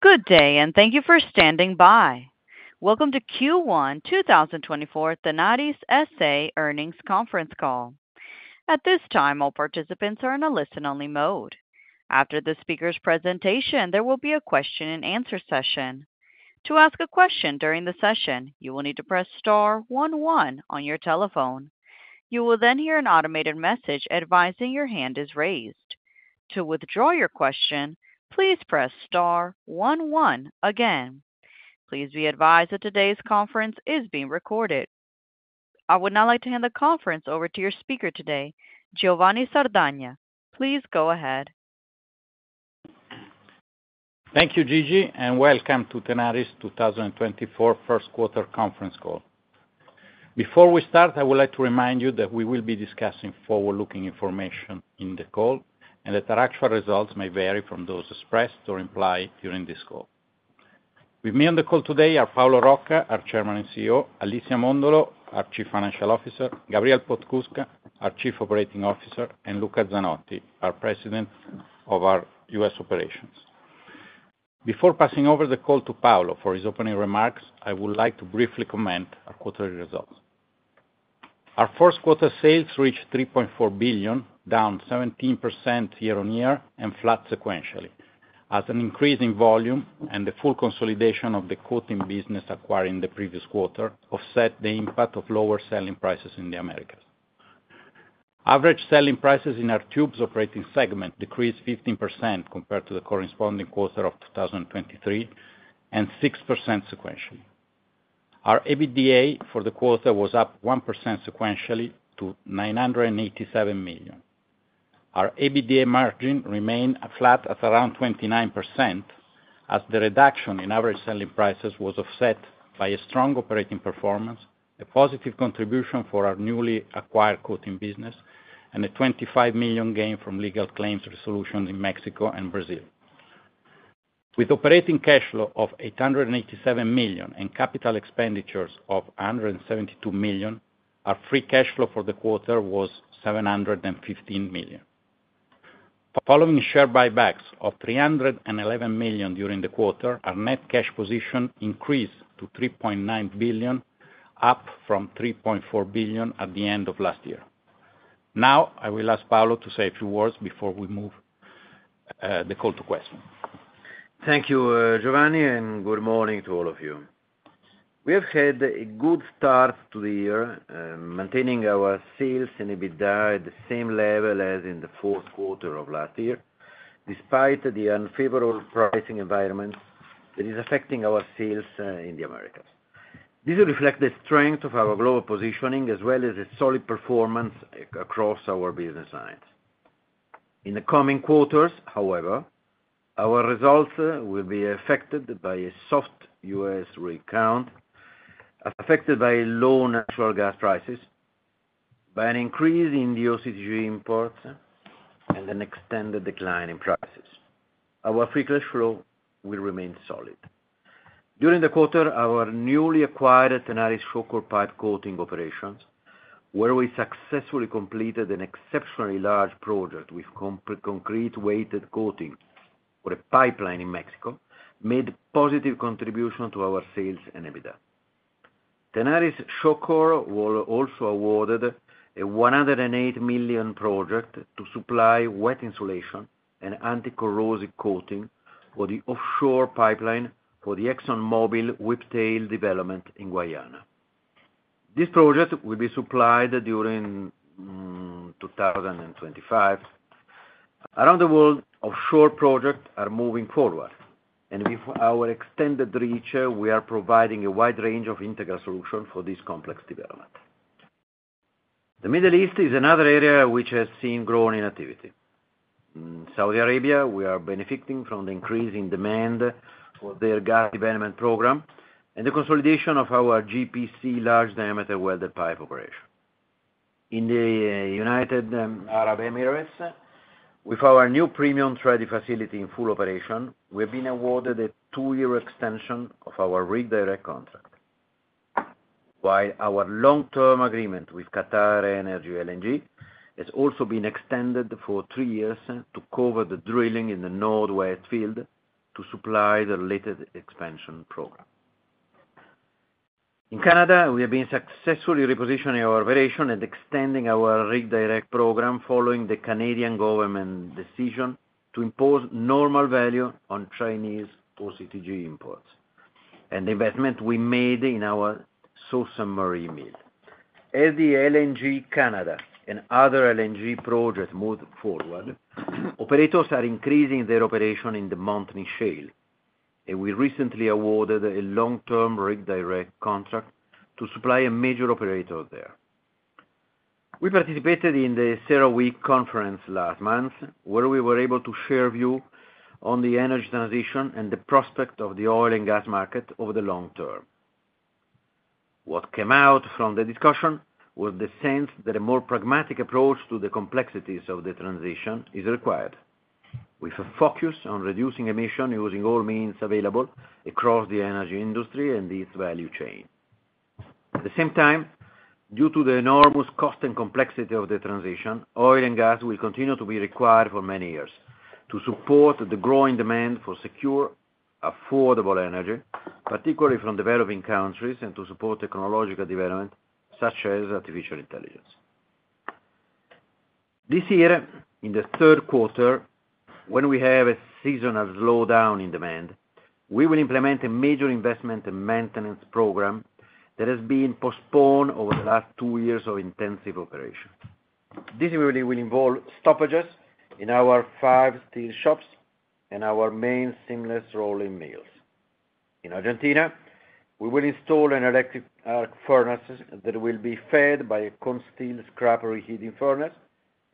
Good day, and thank you for standing by. Welcome to Q1 2024 Tenaris SA Earnings Conference Call. At this time, all participants are in a listen-only mode. After the speaker's presentation, there will be a question-and-answer session. To ask a question during the session, you will need to press star one one on your telephone. You will then hear an automated message advising your hand is raised. To withdraw your question, please press star one one again. Please be advised that today's conference is being recorded. I would now like to hand the conference over to your speaker today, Giovanni Sardagna. Please go ahead. Thank you, Gigi, and welcome to Tenaris 2024 First Quarter Conference Call. Before we start, I would like to remind you that we will be discussing forward-looking information in the call and that our actual results may vary from those expressed or implied during this call. With me on the call today are Paolo Rocca, our Chairman and CEO, Alicia Mondolo, our Chief Financial Officer, Gabriel Podskubka, our Chief Operating Officer, and Luca Zanotti, our President of our U.S. operations. Before passing over the call to Paolo for his opening remarks, I would like to briefly comment on quarterly results. Our first quarter sales reached $3.4 billion, down 17% year-on-year, and flat sequentially, as an increase in volume and the full consolidation of the coating business acquired in the previous quarter offset the impact of lower selling prices in the Americas. Average selling prices in our tubes operating segment decreased 15% compared to the corresponding quarter of 2023 and 6% sequentially. Our EBITDA for the quarter was up 1% sequentially to $987 million. Our EBITDA margin remained flat at around 29%, as the reduction in average selling prices was offset by a strong operating performance, a positive contribution for our newly acquired coating business, and a $25 million gain from legal claims resolutions in Mexico and Brazil. With operating cash flow of $887 million and capital expenditures of $172 million, our free cash flow for the quarter was $715 million. Following share buybacks of $311 million during the quarter, our net cash position increased to $3.9 billion, up from $3.4 billion at the end of last year. Now, I will ask Paolo to say a few words before we move the call to questions. Thank you, Giovanni, and good morning to all of you. We have had a good start to the year, maintaining our sales and EBITDA at the same level as in the fourth quarter of last year, despite the unfavorable pricing environment that is affecting our sales in the Americas. This reflects the strength of our global positioning as well as a solid performance across our business lines. In the coming quarters, however, our results will be affected by a soft U.S. rig count, affected by low natural gas prices, by an increase in the OCTG imports, and an extended decline in prices. Our free cash flow will remain solid. During the quarter, our newly acquired TenarisShawcor Pipe Coating operations, where we successfully completed an exceptionally large project with concrete weight coating for a pipeline in Mexico, made a positive contribution to our sales and EBITDA. TenarisShawcor also awarded a $108 million project to supply wet insulation and anti-corrosive coating for the offshore pipeline for the ExxonMobil Whiptail development in Guyana. This project will be supplied during 2025. Around the world, offshore projects are moving forward, and with our extended reach, we are providing a wide range of integral solutions for this complex development. The Middle East is another area which has seen growing activity. In Saudi Arabia, we are benefiting from the increase in demand for their gas development program and the consolidation of our GPC large diameter welded pipe operation. In the United Arab Emirates, with our new premium trading facility in full operation, we have been awarded a two year extension of our Rig Direct contract, while our long-term agreement with QatarEnergy LNG has also been extended for three years to cover the drilling in the North Field to supply the related expansion program. In Canada, we have been successfully repositioning our operation and extending our Rig Direct program following the Canadian government decision to impose normal value on Chinese OCTG imports and the investment we made in our Sault Ste. Marie mill. As the LNG Canada and other LNG projects move forward, operators are increasing their operation in the Montney, and we recently awarded a long-term Rig Direct contract to supply a major operator there. We participated in the CERAWeek Conference last month, where we were able to share views on the energy transition and the prospect of the oil and gas market over the long term. What came out from the discussion was the sense that a more pragmatic approach to the complexities of the transition is required, with a focus on reducing emissions using all means available across the energy industry and its value chain. At the same time, due to the enormous cost and complexity of the transition, oil and gas will continue to be required for many years to support the growing demand for secure, affordable energy, particularly from developing countries, and to support technological development such as artificial intelligence. This year, in the third quarter, when we have a seasonal slowdown in demand, we will implement a major investment and maintenance program that has been postponed over the last two years of intensive operation. This will involve stoppages in our five steel shops and our main seamless rolling mills. In Argentina, we will install an electric arc furnace that will be fed by a Consteel scrap reheating furnace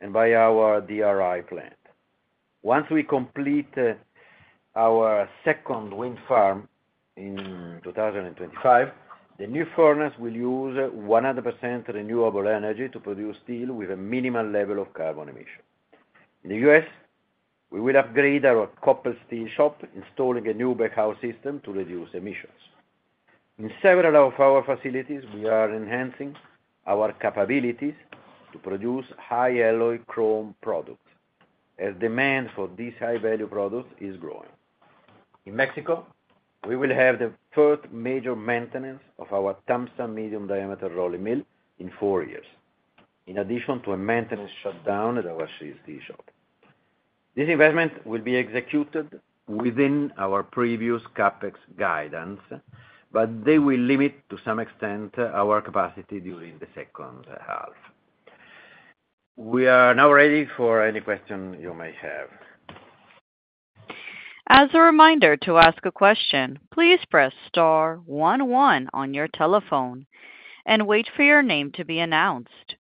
and by our DRI plant. Once we complete our second wind farm in 2025, the new furnace will use 100% renewable energy to produce steel with a minimal level of carbon emission. In the U.S., we will upgrade our copper steel shop, installing a new baghouse system to reduce emissions. In several of our facilities, we are enhancing our capabilities to produce high alloy chrome products as demand for these high-value products is growing. In Mexico, we will have the first major maintenance of our Tamsa medium diameter rolling mill in four years, in addition to a maintenance shutdown at our [CSD shop]. This investment will be executed within our previous CapEx guidance, but they will limit, to some extent, our capacity during the second half. We are now ready for any question you may have. As a reminder to ask a question, please press star one one on your telephone and wait for your name to be announced.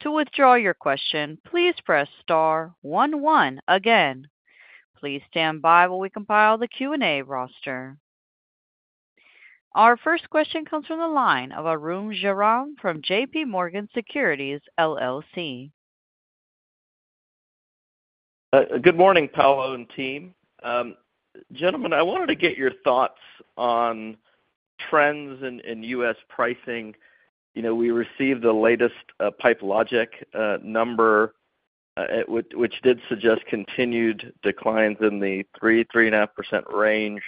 To withdraw your question, please press star one one again. Please stand by while we compile the Q&A roster. Our first question comes from the line of Arun Jayaram from JPMorgan Securities LLC. Good morning, Paolo and team. Gentlemen, I wanted to get your thoughts on trends in U.S. pricing. You know, we received the latest Pipe Logix number, which did suggest continued declines in the 3%-3.5% range.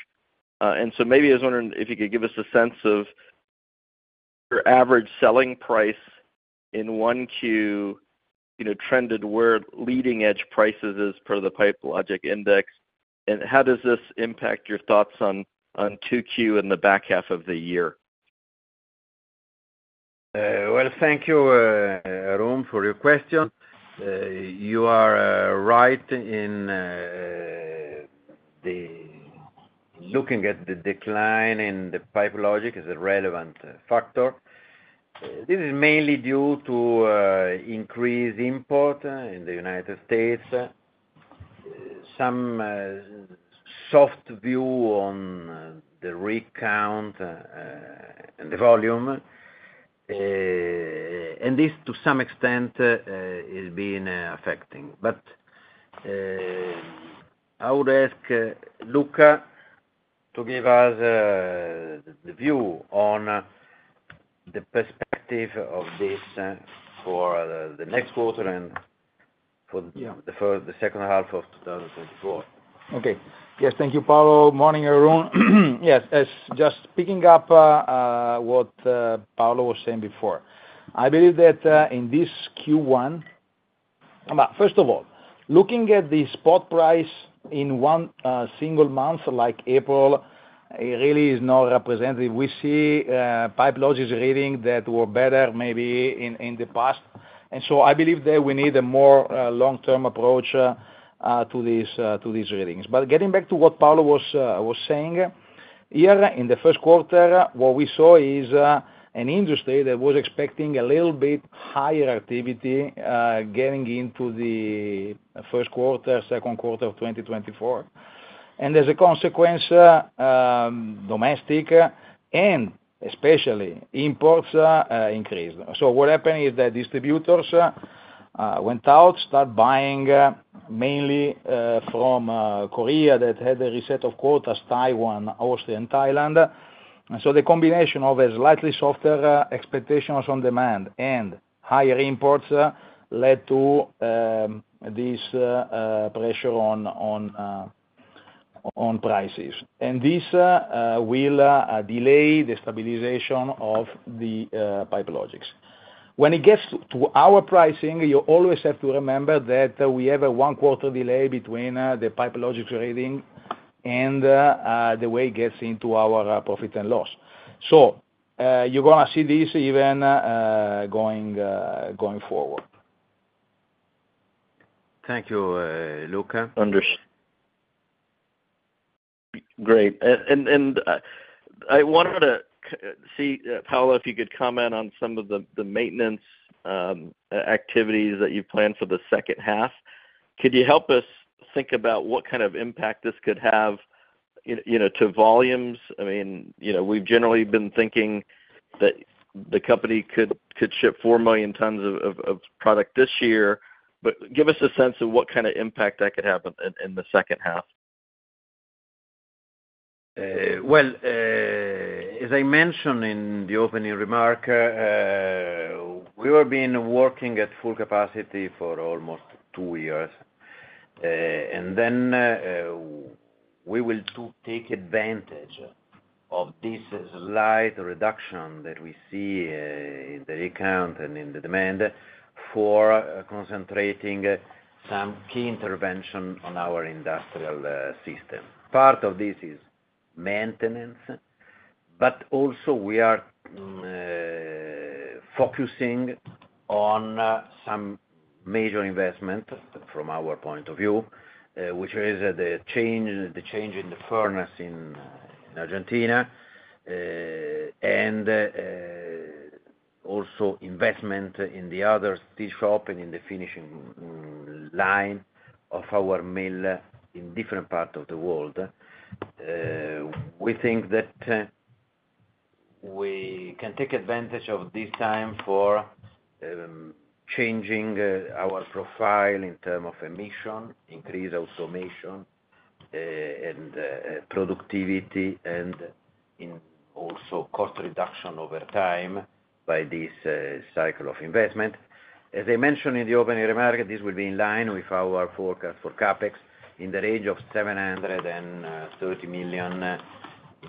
So maybe I was wondering if you could give us a sense of your average selling price in 1Q, you know, trended where leading edge prices is per the Pipe Logix index, and how does this impact your thoughts on 2Q in the back half of the year? Well, thank you, Arun, for your question. You are right in looking at the decline in the Pipe Logix as a relevant factor. This is mainly due to increased imports in the United States, some soft view on the rig count, and the volume. And this, to some extent, is being affecting. But I would ask Luca to give us the view on the perspective of this for the next quarter and for the first the second half of 2024. Okay. Yes, thank you, Paolo. Morning, Arun. Yes, as just picking up, what, Paolo was saying before, I believe that, in this Q1, first of all, looking at the spot price in one, single month like April, it really is not representative. We see, Pipe Logix's readings that were better maybe in, in the past. And so I believe that we need a more, long-term approach, to this, to these readings. But getting back to what Paolo was, was saying, here, in the first quarter, what we saw is, an industry that was expecting a little bit higher activity, getting into the first quarter, second quarter of 2024. And as a consequence, domestic and especially imports, increased. So what happened is that distributors, went out, started buying, mainly, from, Korea that had a reset of quotas, Taiwan, Austria, and Thailand. And so the combination of slightly softer expectations on demand and higher imports led to this pressure on prices. And this will delay the stabilization of the Pipe Logix. When it gets to our pricing, you always have to remember that we have a one-quarter delay between the Pipe Logix's reading and the way it gets into our profit and loss. So, you're gonna see this even going forward. Thank you, Luca. Understood. Great. And I wanted to see, Paolo, if you could comment on some of the maintenance activities that you've planned for the second half. Could you help us think about what kind of impact this could have, you know, to volumes? I mean, you know, we've generally been thinking that the company could ship 4 million tons of product this year, but give us a sense of what kind of impact that could have in the second half. Well, as I mentioned in the opening remark, we have been working at full capacity for almost two years. Then, we want to take advantage of this slight reduction that we see in the rig count and in the demand for concentrating some key interventions on our industrial system. Part of this is maintenance, but also we are focusing on some major investments from our point of view, which is the change in the furnace in Argentina, and also investments in the other steel shop and in the finishing line of our mill in different parts of the world. We think that we can take advantage of this time for changing our profile in terms of emissions, increased automation, and productivity, and also cost reduction over time by this cycle of investment. As I mentioned in the opening remark, this will be in line with our forecast for CapEx in the range of $730 million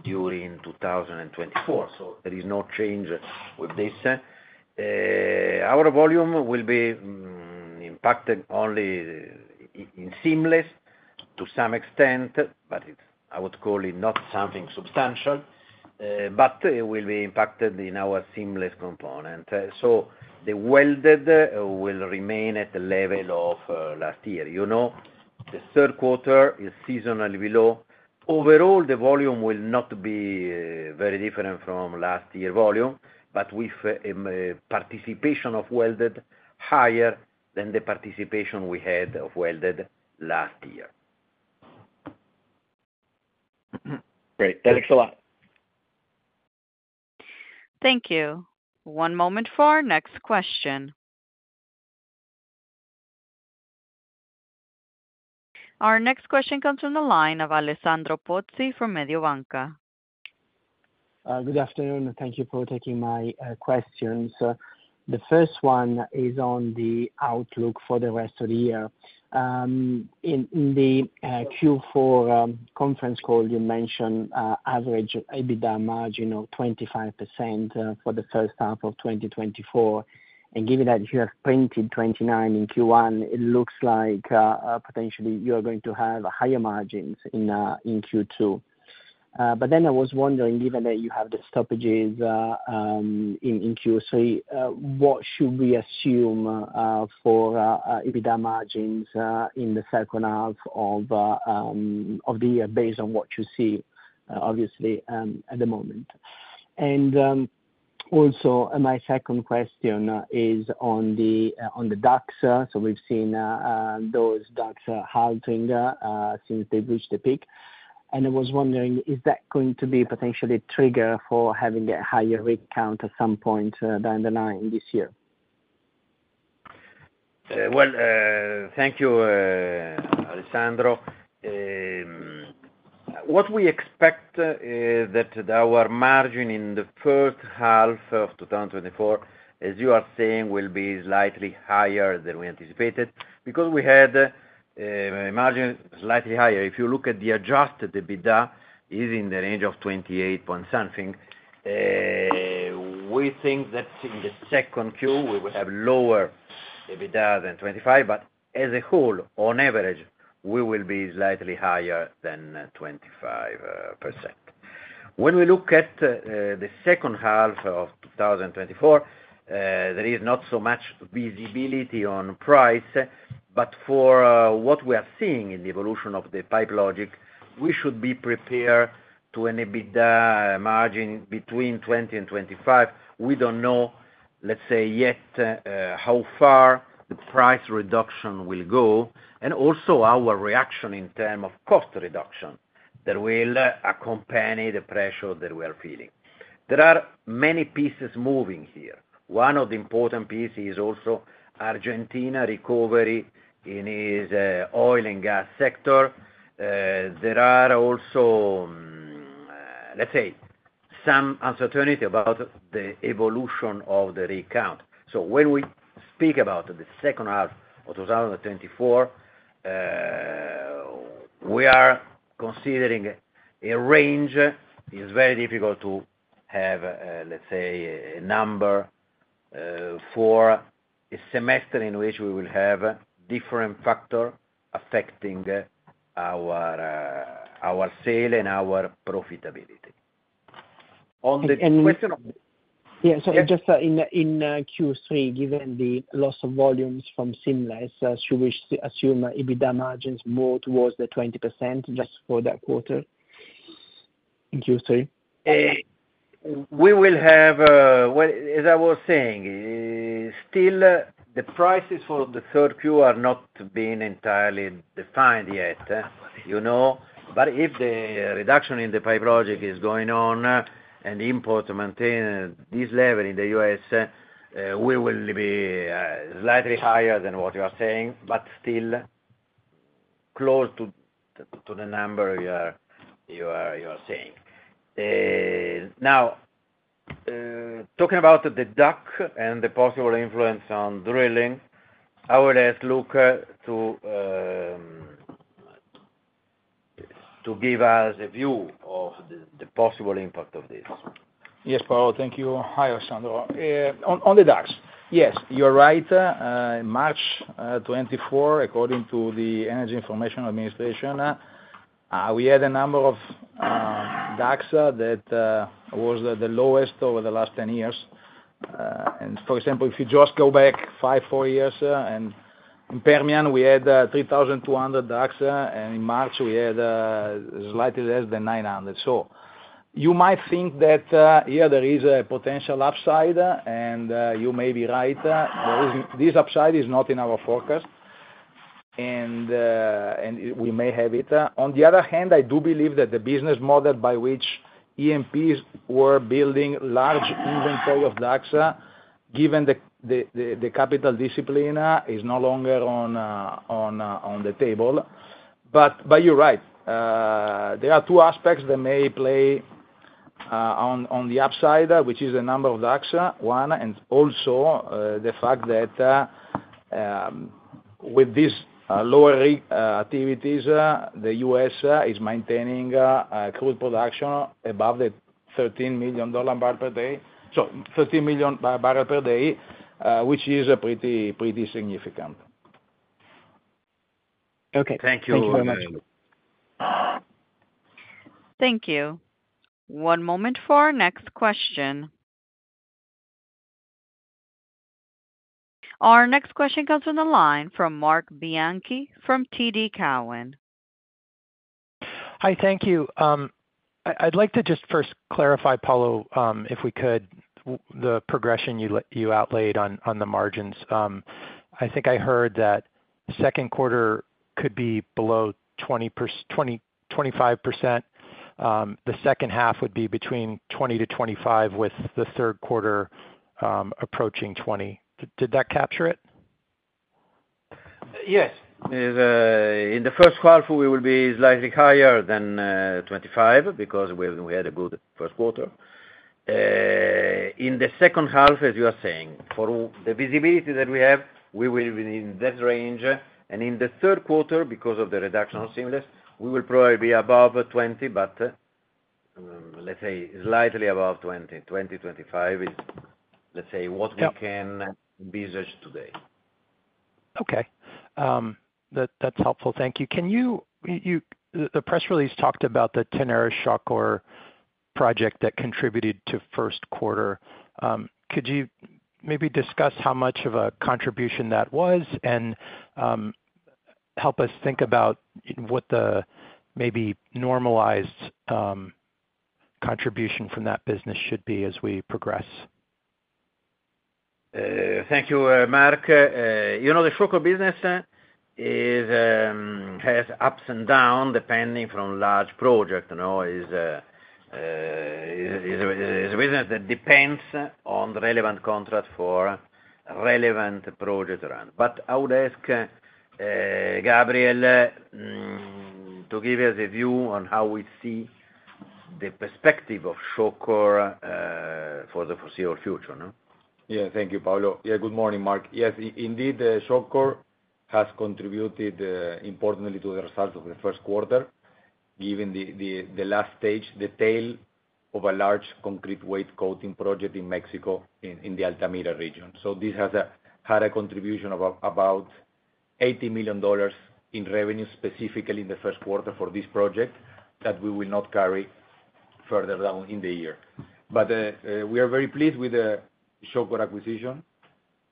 during 2024. So there is no change with this. Our volume will be impacted only in seamless, to some extent, but it's, I would call it, not something substantial. But it will be impacted in our seamless component. So the welded will remain at the level of last year. You know, the third quarter is seasonally below. Overall, the volume will not be very different from last year volume, but with a participation of welded higher than the participation we had of welded last year. Great. That looks a lot. Thank you. One moment for our next question. Our next question comes from the line of Alessandro Pozzi from Mediobanca. Good afternoon. Thank you for taking my questions. The first one is on the outlook for the rest of the year. In the Q4 conference call, you mentioned average EBITDA margin of 25% for the first half of 2024. And given that you have printed 29% in Q1, it looks like potentially you are going to have higher margins in Q2. But then I was wondering, given that you have the stoppages in Q3, what should we assume for EBITDA margins in the second half of the year based on what you see, obviously, at the moment? Also, my second question is on the DUCs. So we've seen those DUCs halting since they've reached the peak. And I was wondering, is that going to be potentially a trigger for having a higher rig count at some point down the line this year? Well, thank you, Alessandro. What we expect, that our margin in the first half of 2024, as you are saying, will be slightly higher than we anticipated because we had margin slightly higher. If you look at the adjusted EBITDA, it is in the range of 28 point something. We think that in the second Q, we will have lower EBITDA than 25%, but as a whole, on average, we will be slightly higher than 25%. When we look at the second half of 2024, there is not so much visibility on price, but for what we are seeing in the evolution of the Pipe Logix, we should be prepared to an EBITDA margin between 20%-25%. We don't know, let's say, yet how far the price reduction will go and also our reaction in terms of cost reduction that will accompany the pressure that we are feeling. There are many pieces moving here. One of the important pieces is also Argentina recovery in its oil and gas sector. There are also, let's say, some uncertainty about the evolution of the rig count. So when we speak about the second half of 2024, we are considering a range. It's very difficult to have, let's say, a number for a semester in which we will have different factors affecting our sales and our profitability. On the question of. Yeah, so just in Q3, given the loss of volumes from seamless, should we assume EBITDA margins more towards 20% just for that quarter in Q3? We will have, well, as I was saying, still, the prices for the third Q are not being entirely defined yet, you know? But if the reduction in the Pipe Logix is going on and imports maintain this level in the U.S., we will be slightly higher than what you are saying, but still close to the number you are saying. Now, talking about the DUCs and the possible influence on drilling, I would ask Luca to give us a view of the possible impact of this. Yes, Paolo. Thank you. Hi, Alessandro. On the DUCs, yes, you're right. In March 2024, according to the Energy Information Administration, we had a number of DUCs that was the lowest over the last 10 years. For example, if you just go back five or four years, and in the Permian, we had 3,200 DUCs, and in March, we had slightly less than 900. So you might think that here there is a potential upside, and you may be right. This upside is not in our forecast, and we may have it. On the other hand, I do believe that the business model by which E&Ps were building large inventory of DUCs, given the capital discipline, is no longer on the table. But you're right. There are two aspects that may play on the upside, which is the number of DUCs, one, and also the fact that with this lower rig activities, the U.S. is maintaining crude production above the $13 million barrels per day—sorry, $13 million barrels per day—which is pretty, pretty significant. Okay. Thank you. Thank you very much. Thank you. One moment for our next question. Our next question comes from the line from Marc Bianchi from TD Cowen. Hi. Thank you. I'd like to just first clarify, Paolo, if we could, the progression you laid out on the margins. I think I heard that second quarter could be below 20%-25%. The second half would be between 20%-25% with the third quarter approaching 20%. Did that capture it? Yes. In the first half, we will be slightly higher than 25 because we had a good first quarter. In the second half, as you are saying, for the visibility that we have, we will be in that range. And in the third quarter, because of the reduction on seamless, we will probably be above 20, but, let's say, slightly above 20. 20-25 is, let's say, what we can envisage today. Okay. That's helpful. Thank you. The press release talked about the TenarisShawcor project that contributed to first quarter. Could you maybe discuss how much of a contribution that was and help us think about what the maybe normalized contribution from that business should be as we progress? Thank you, Marc. You know, the Shawcor business has ups and downs depending from large projects, you know? It is a business that depends on relevant contract for relevant project run. But I would ask, Gabriel, to give us a view on how we see the perspective of Shawcor, for the foreseeable future, no? Yeah. Thank you, Paolo. Yeah. Good morning, Mark. Yes. Indeed, Shawcor has contributed importantly to the results of the first quarter, given the last stage, the tail of a large concrete weight coating project in Mexico in the Altamira region. So this has had a contribution of about $80 million in revenue specifically in the first quarter for this project that we will not carry further down in the year. But we are very pleased with the Shawcor acquisition.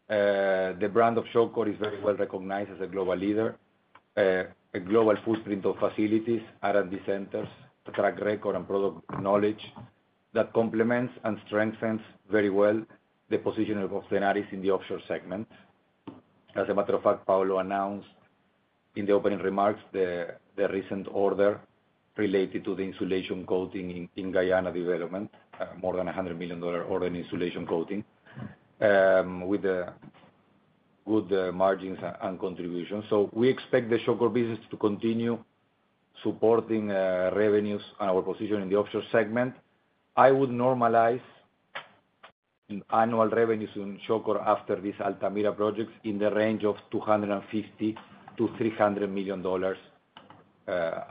The brand of Shawcor is very well recognized as a global leader, a global footprint of facilities, R&D centers, track record, and product knowledge that complements and strengthens very well the position of Tenaris in the offshore segment. As a matter of fact, Paolo announced in the opening remarks the recent order related to the insulation coating in Guyana development, more than $100 million order insulation coating, with good margins and contributions. So we expect the Shawcor business to continue supporting revenues and our position in the offshore segment. I would normalize annual revenues in Shawcor after this Altamira project in the range of $250-$300 million,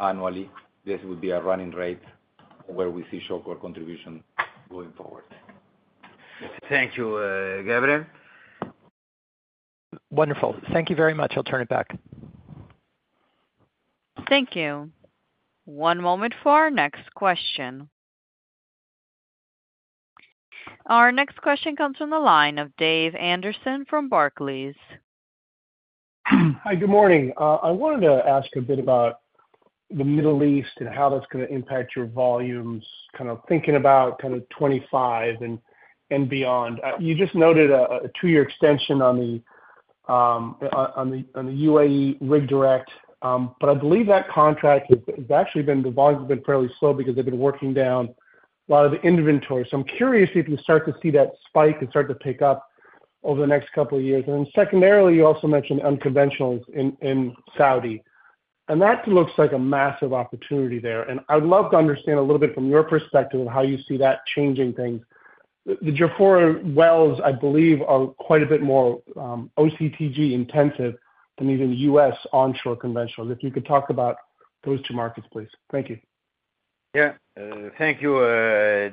annually. This would be a running rate where we see Shawcor contribution going forward. Thank you, Gabriel. Wonderful. Thank you very much. I'll turn it back. Thank you. One moment for our next question. Our next question comes from the line of David Anderson from Barclays. Hi. Good morning. I wanted to ask a bit about the Middle East and how that's going to impact your volumes, kind of thinking about kind of 2025 and beyond. You just noted a two-year extension on the UAE Rig Direct, but I believe that contract is actually been the volume's been fairly slow because they've been working down a lot of the inventory. So I'm curious if you start to see that spike and start to pick up over the next couple of years. And then secondarily, you also mentioned unconventionals in Saudi. And that looks like a massive opportunity there. And I would love to understand a little bit from your perspective of how you see that changing things. The Jafurah wells, I believe, are quite a bit more OCTG-intensive than even U.S. onshore conventionals. If you could talk about those two markets, please. Thank you. Yeah. Thank you,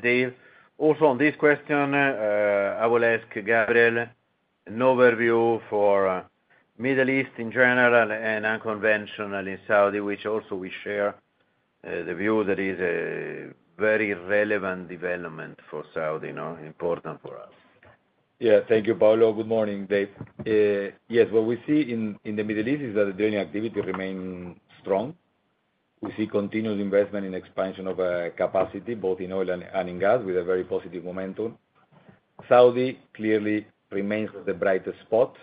Dave. Also, on this question, I would ask Gabriel an overview for Middle East in general and unconventional in Saudi, which also we share, the view that it is a very relevant development for Saudi, you know, important for us. Yeah. Thank you, Paolo. Good morning, Dave. Yes. What we see in the Middle East is that the drilling activity remains strong. We see continued investment in expansion of capacity both in oil and in gas with a very positive momentum. Saudi clearly remains the brightest spot.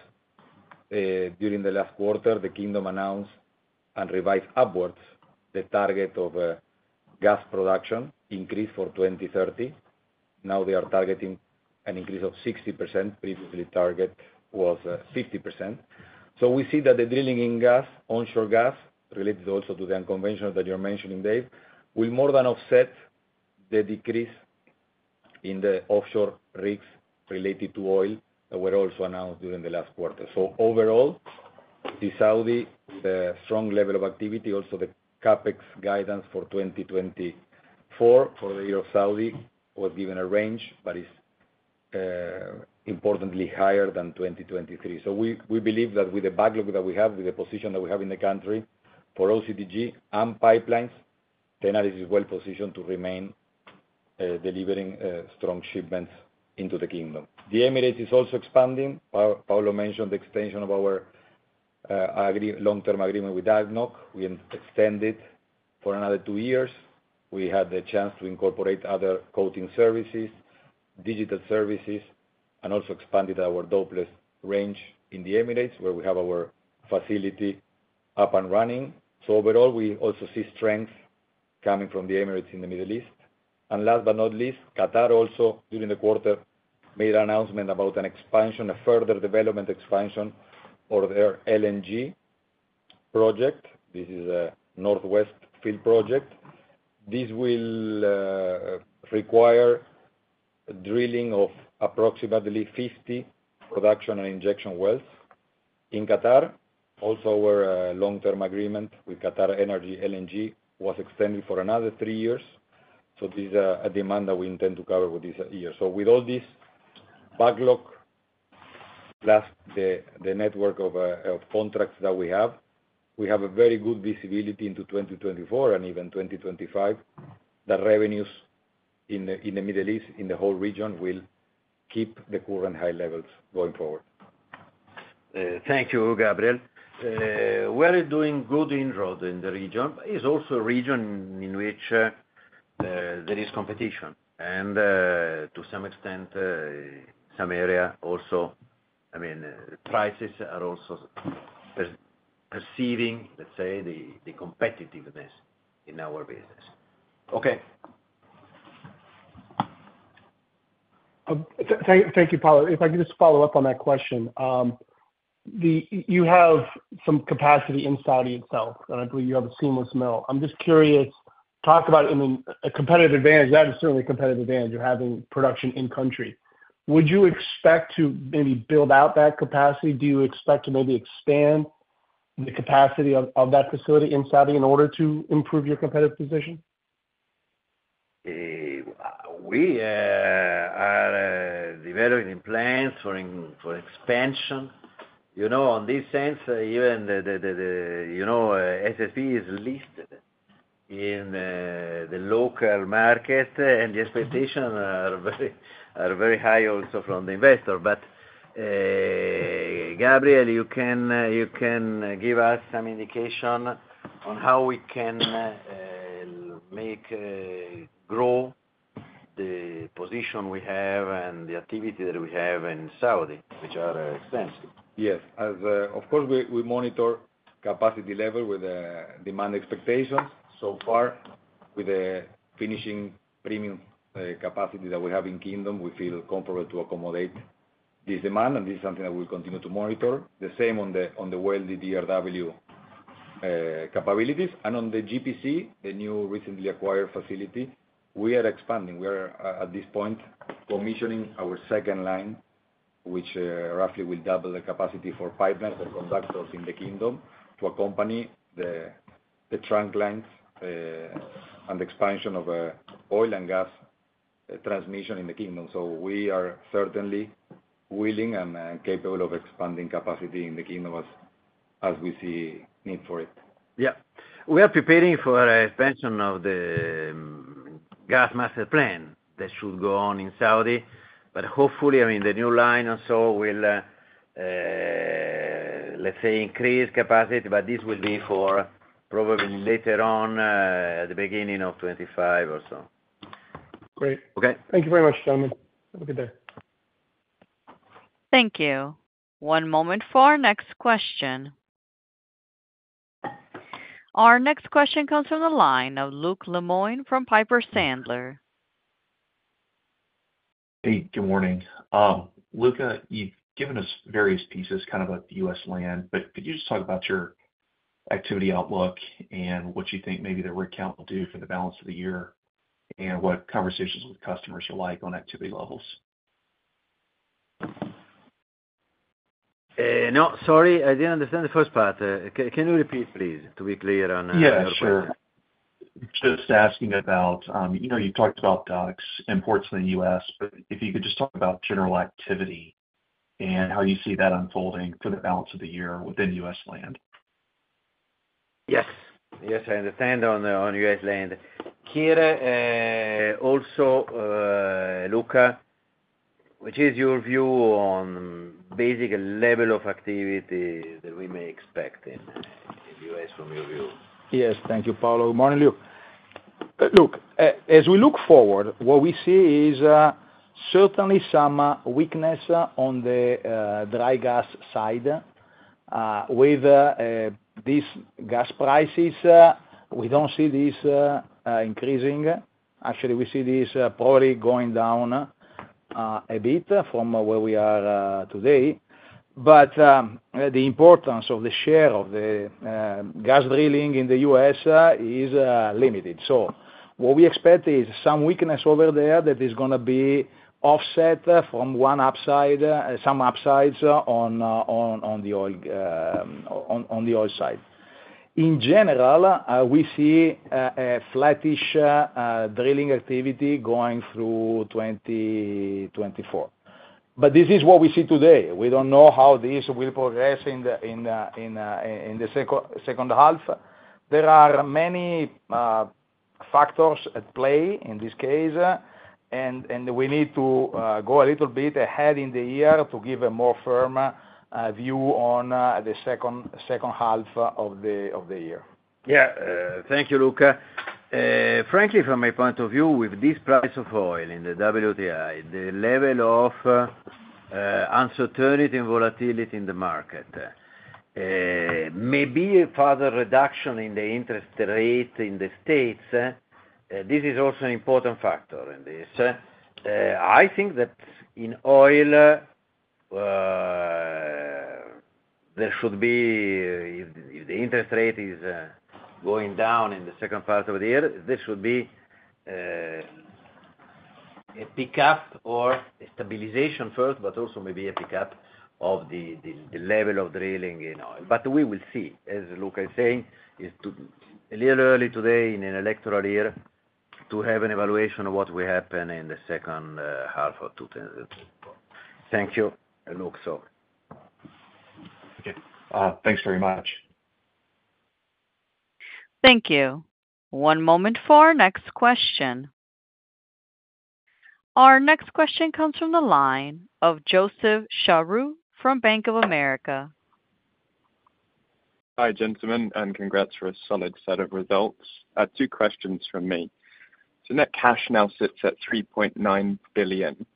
During the last quarter, the Kingdom announced and revised upwards the target of gas production increase for 2030. Now, they are targeting an increase of 60%. Previously, the target was 50%. So we see that the drilling in gas, onshore gas related also to the unconventional that you're mentioning, Dave, will more than offset the decrease in the offshore rigs related to oil that were also announced during the last quarter. So overall, in Saudi, the strong level of activity, also the CAPEX guidance for 2024 for the year of Saudi was given a range, but it's importantly higher than 2023. So we believe that with the backlog that we have, with the position that we have in the country for OCTG and pipelines, Tenaris is well positioned to remain delivering strong shipments into the Kingdom. The Emirates is also expanding. Paolo mentioned the extension of our long-term agreement with ADNOC. We extended it for another two years. We had the chance to incorporate other coating services, digital services, and also expanded our Dopeless range in the Emirates where we have our facility up and running. So overall, we also see strength coming from the Emirates in the Middle East. And last but not least, Qatar also during the quarter made an announcement about an expansion, a further development expansion for their LNG project. This is a North Field project. This will require drilling of approximately 50 production and injection wells in Qatar. Also, our long-term agreement with QatarEnergy LNG was extended for another three years. This is a demand that we intend to cover with this year. With all this backlog plus the network of contracts that we have, we have a very good visibility into 2024 and even 2025 that revenues in the Middle East, in the whole region, will keep the current high levels going forward. Thank you, Gabriel. We are doing good inroads in the region. It's also a region in which there is competition. To some extent, some areas also—I mean, prices are also perceiving, let's say, the competitiveness in our business. Okay. Thank you, Paolo. If I could just follow up on that question, do you have some capacity in Saudi itself, and I believe you have a seamless mill. I'm just curious to talk about your competitive advantage. That is certainly a competitive advantage. You're having production in-country. Would you expect to maybe build out that capacity? Do you expect to maybe expand the capacity of that facility in Saudi in order to improve your competitive position? We are developing plans for expansion. You know, in this sense, even the SSP is listed in the local market, and the expectations are very high also from the investor. But, Gabriel, you can give us some indication on how we can make grow the position we have and the activity that we have in Saudi, which are expensive. Yes. As of course, we monitor capacity level with demand expectations. So far, with the finishing premium capacity that we have in the Kingdom, we feel comfortable to accommodate this demand, and this is something that we'll continue to monitor. The same on the welded capabilities. And on the GPC, the new recently acquired facility, we are expanding. We are at this point commissioning our second line, which roughly will double the capacity for pipelines and conductors in the Kingdom to accompany the trunk lines, and the expansion of oil and gas transmission in the Kingdom. So we are certainly willing and capable of expanding capacity in the Kingdom as we see need for it. Yeah. We are preparing for an expansion of the gas master plan that should go on in Saudi. But hopefully, I mean, the new line and so will, let's say, increase capacity. But this will be for probably later on, at the beginning of 2025 or so. Great. Okay. Thank you very much, gentlemen. Have a good day. Thank you. One moment for our next question. Our next question comes from the line of Luke Lemoine from Piper Sandler. Hey. Good morning. Luca, you've given us various pieces, kind of of U.S. land, but could you just talk about your activity outlook and what you think maybe the rig count will do for the balance of the year and what conversations with customers are like on activity levels? No. Sorry. I didn't understand the first part. Can you repeat, please, to be clear on your question? Yeah. Sure. Just asking about, you know, you've talked about DUCs, imports in the U.S., but if you could just talk about general activity and how you see that unfolding for the balance of the year within U.S. land. Yes. Yes. I understand on the U.S. land. Here, also, Luca, which is your view on basic level of activity that we may expect in the U.S. from your view? Yes. Thank you, Paolo. Good morning, Luke. Look, as we look forward, what we see is certainly some weakness on the dry gas side with these gas prices. We don't see this increasing. Actually, we see this probably going down a bit from where we are today. The importance of the share of the gas drilling in the U.S. is limited. So what we expect is some weakness over there that is going to be offset from one upside some upsides on the oil side. In general, we see a flattish drilling activity going through 2024. This is what we see today. We don't know how this will progress in the second half. There are many factors at play in this case, and we need to go a little bit ahead in the year to give a more firm view on the second half of the year. Yeah. Thank you, Luca. Frankly, from my point of view, with this price of oil in the WTI, the level of uncertainty and volatility in the market, maybe a further reduction in the interest rate in the States, this is also an important factor in this. I think that in oil, there should be if, if the interest rate is going down in the second part of the year, there should be a pickup or a stabilization first, but also maybe a pickup of the, the, the level of drilling in oil. But we will see, as Luca is saying, it's too a little early today in an electoral year to have an evaluation of what will happen in the second half of 2024. Thank you, Luca, so. Okay. Thanks very much. Thank you. One moment for our next question. Our next question comes from the line of Joseph Shahrour from Bank of America. Hi, gentlemen, and congrats for a solid set of results. Two questions from me. So net cash now sits at $3.9 billion.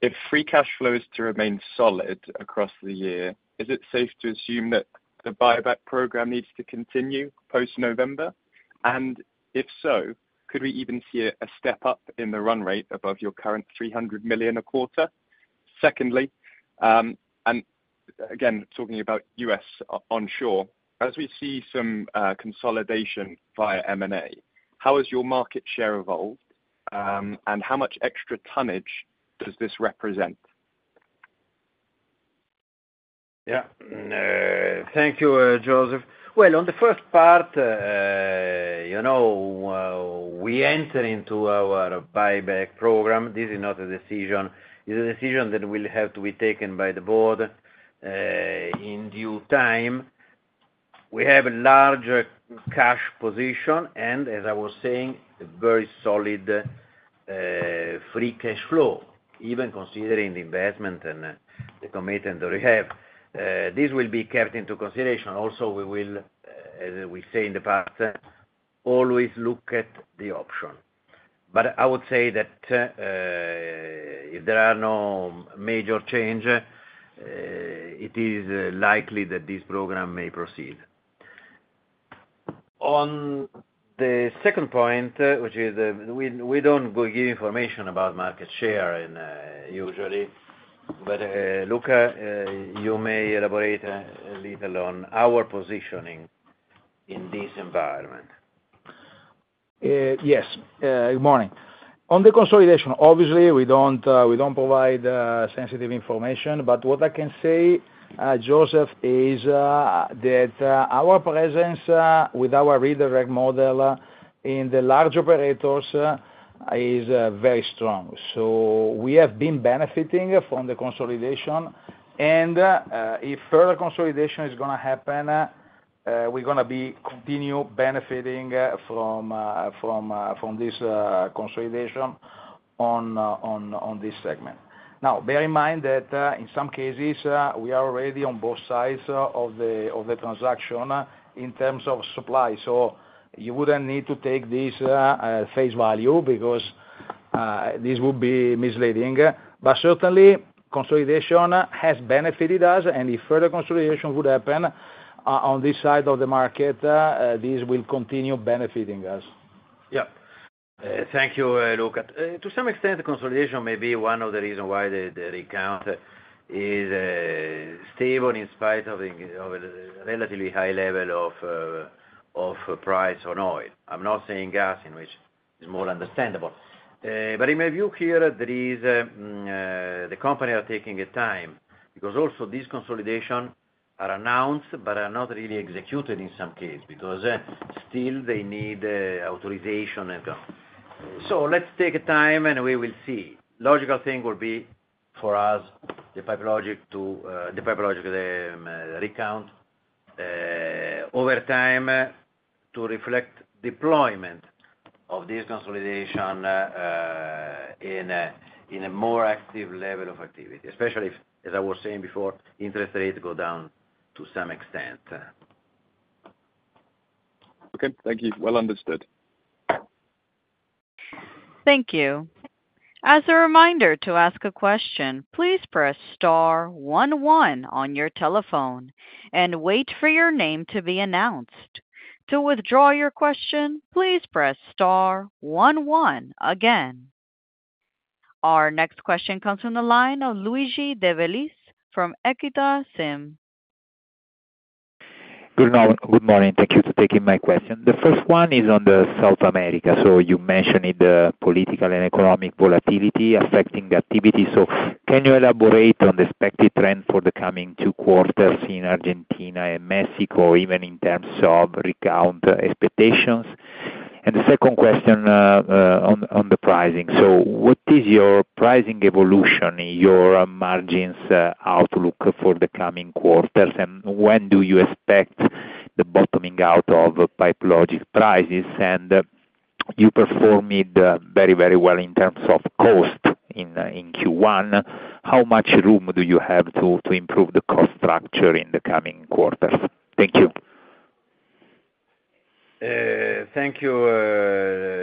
If free cash flow is to remain solid across the year, is it safe to assume that the buyback program needs to continue post-November? And if so, could we even see a step up in the run rate above your current $300 million a quarter? Secondly, and again, talking about U.S. onshore, as we see some consolidation via M&A, how has your market share evolved, and how much extra tonnage does this represent? Yeah. Thank you, Joseph. Well, on the first part, you know, we enter into our buyback program. This is not a decision. It's a decision that will have to be taken by the board, in due time. We have a larger cash position and, as I was saying, a very solid, Free Cash Flow, even considering the investment and the commitment that we have. This will be kept into consideration. Also, we will, as we say in the past, always look at the option. But I would say that, if there are no major change, it is likely that this program may proceed. On the second point, which is, we don't go give information about market share and, usually, but, Luca, you may elaborate a little on our positioning in this environment. Yes. Good morning. On the consolidation, obviously, we don't provide sensitive information. But what I can say, Joseph, is that our presence with our Rig Direct model in the large operators is very strong. So we have been benefiting from the consolidation. And if further consolidation is going to happen, we're going to continue benefiting from this consolidation on this segment. Now, bear in mind that in some cases, we are already on both sides of the transaction in terms of supply. So you wouldn't need to take this at face value because this would be misleading. But certainly, consolidation has benefited us. And if further consolidation would happen on this side of the market, this will continue benefiting us. Yeah. Thank you, Luca. To some extent, the consolidation may be one of the reason why the rig count is stable in spite of a relatively high level of price on oil. I'm not saying gas, in which is more understandable. But in my view here, the companies are taking a time because also these consolidations are announced but are not really executed in some cases because still they need authorization and so on. So let's take a time, and we will see. Logical thing will be for us, the Pipe Logix, to the Pipe Logix rig count over time to reflect deployment of this consolidation in a more active level of activity, especially if, as I was saying before, interest rate go down to some extent. Okay. Thank you. Well understood. Thank you. As a reminder to ask a question, please press star one one on your telephone and wait for your name to be announced. To withdraw your question, please press star one one again. Our next question comes from the line of Luigi de Bellis from EQUITA SIM. Good morning. Thank you for taking my question. The first one is on South America. So you mentioned the political and economic volatility affecting activity. So can you elaborate on the expected trend for the coming two quarters in Argentina and Mexico, even in terms of rig count expectations? And the second question, on the pricing. So what is your pricing evolution, your margins, outlook for the coming quarters, and when do you expect the bottoming out of Pipe Logix prices? And you performed, very, very well in terms of cost in Q1. How much room do you have to improve the cost structure in the coming quarters? Thank you. Thank you,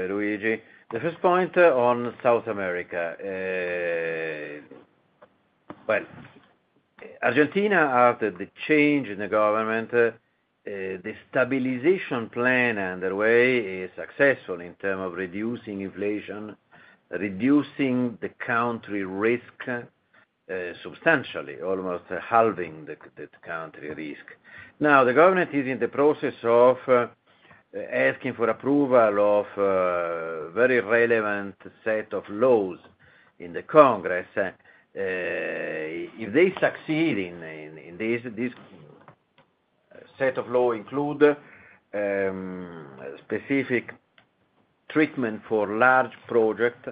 Luigi. The first point on South America. Well, Argentina after the change in the government, the stabilization plan underway is successful in terms of reducing inflation, reducing the country risk, substantially, almost halving the country risk. Now, the government is in the process of asking for approval of very relevant set of laws in the Congress. If they succeed in this, this set of law include specific treatment for large project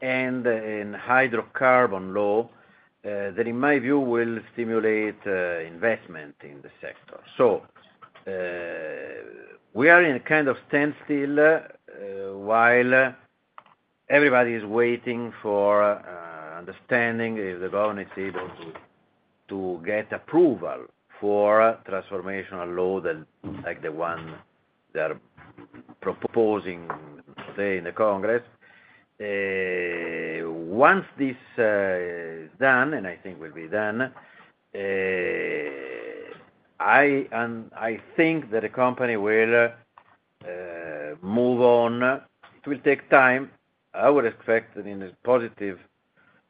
and hydrocarbon law, that in my view will stimulate investment in the sector. So, we are in a kind of standstill, while everybody is waiting for understanding if the government is able to get approval for transformational law that like the one they are proposing today in the Congress. Once this is done, and I think will be done, I think that the company will move on. It will take time. I would expect that in a positive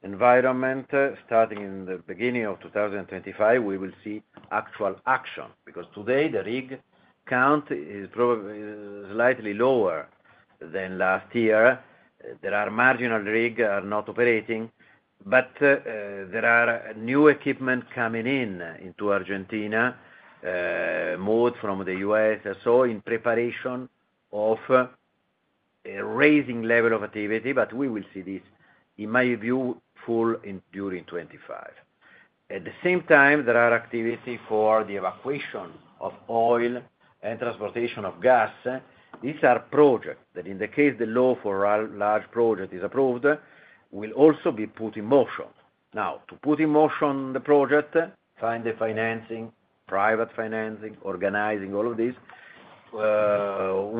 environment, starting in the beginning of 2025, we will see actual action because today, the rig count is probably slightly lower than last year. There are marginal rigs that are not operating. But there are new equipment coming in into Argentina, moved from the U.S. and so in preparation of a raising level of activity. But we will see this, in my view, full in during 2025. At the same time, there are activities for the evacuation of oil and transportation of gas. These are projects that in the case the law for large project is approved, will also be put in motion. Now, to put in motion the project, find the financing, private financing, organizing all of this, will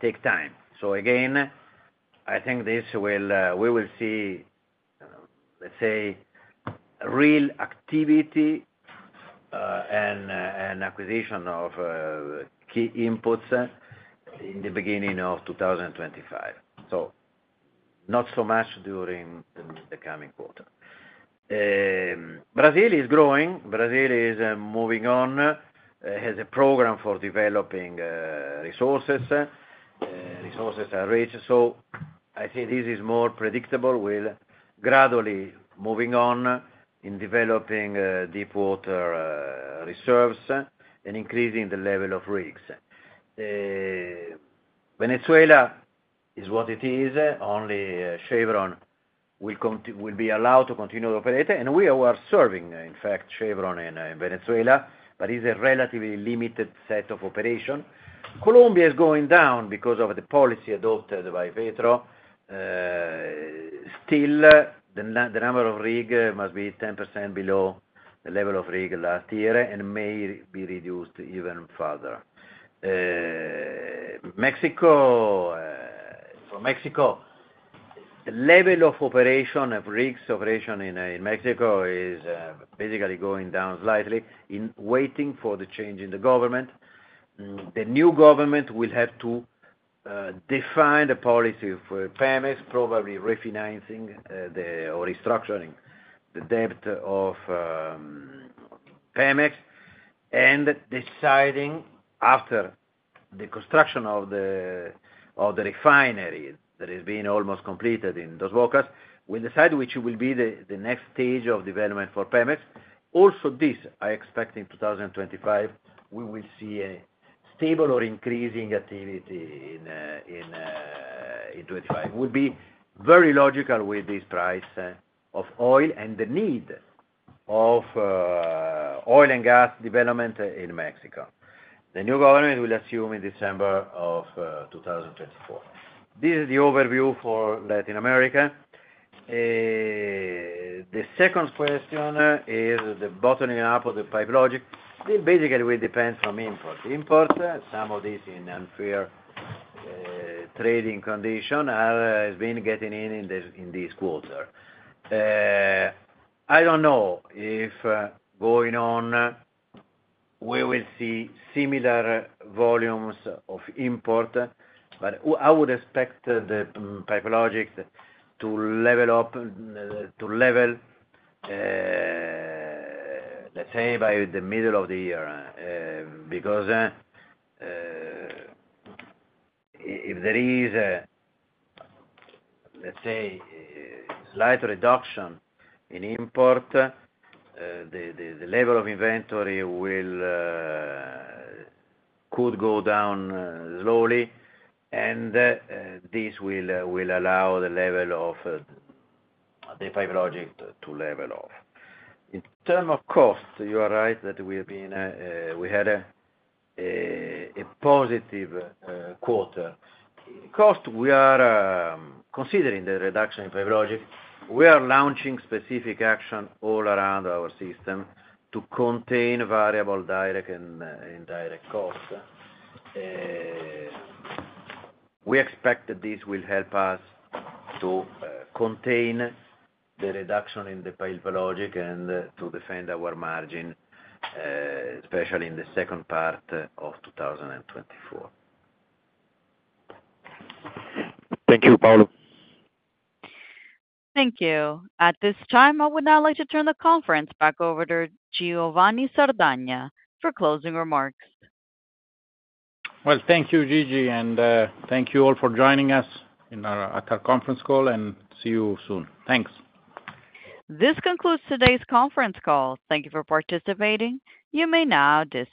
take time. So again, I think this will, we will see, let's say, real activity, and acquisition of key inputs in the beginning of 2025, so not so much during the coming quarter. Brazil is growing. Brazil is moving on. It has a program for developing resources. Resources are rich. So I say this is more predictable, will gradually move on in developing deep water reserves and increasing the level of rigs. Venezuela is what it is. Only Chevron will continue to be allowed to continue to operate. And we are serving, in fact, Chevron in Venezuela, but it's a relatively limited set of operation. Colombia is going down because of the policy adopted by Petro. Still, the number of rigs must be 10% below the level of rigs last year and may be reduced even further. Mexico, for Mexico, the level of operation of rigs operation in Mexico is basically going down slightly while waiting for the change in the government. The new government will have to define the policy for Pemex, probably refinancing or restructuring the debt of Pemex and deciding after the construction of the refinery that has been almost completed in Dos Bocas, will decide which will be the next stage of development for Pemex. Also, this I expect in 2025, we will see a stable or increasing activity in 2025. It will be very logical with this price of oil and the need of oil and gas development in Mexico. The new government will assume in December of 2024. This is the overview for Latin America. The second question is the bottoming out of the Pipe Logix. It basically will depend from import. Imports, some of these unfair trading conditions are, has been getting in this quarter. I don't know if going on we will see similar volumes of imports. But I would expect the Pipe Logix to level up, to level, let's say, by the middle of the year, because if there is, let's say, slight reduction in imports, the level of inventory will could go down slowly. And this will allow the level of the Pipe Logix to level off. In terms of cost, you are right that we have had a positive quarter. Costs, we are considering the reduction in Pipe Logix. We are launching specific action all around our system to contain variable direct and indirect costs. We expect that this will help us to contain the reduction in the Pipe Logix and to defend our margin, especially in the second part of 2024. Thank you, Paolo. Thank you. At this time, I would now like to turn the conference back over to Giovanni Sardagna for closing remarks. Well, thank you, Gigi. Thank you all for joining us in our conference call. See you soon. Thanks. This concludes today's conference call. Thank you for participating. You may now dis.